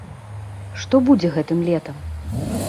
Што будзе гэтым летам?